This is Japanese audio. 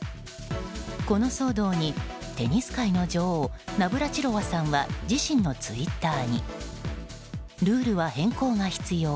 この騒動に、テニス界の女王ナブラチロワさんは自身のツイッターにルールは変更が必要。